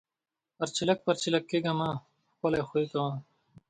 پَرچېلک پَرچېلک کېږه مه! ښکلے خوئې کوه۔